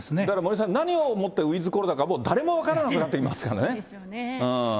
だから森さん、何をもってウィズコロナか、もう誰も分からなくなってますからね。